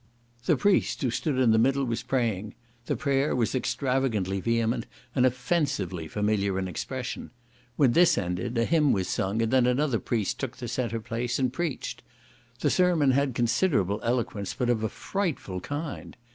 The priest who stood in the middle was praying; the prayer was extravagantly vehement, and offensively familiar in expression; when this ended, a hymn was sung, and then another priest took the centre place, and preached. The sermon had considerable eloquence, but of a frightful kind.